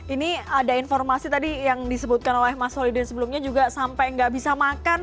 ini ada informasi tadi yang disebutkan oleh mas holidin sebelumnya juga sampai nggak bisa makan